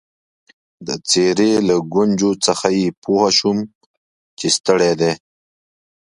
د څېرې له ګونجو څخه يې پوه شوم چي ستړی دی.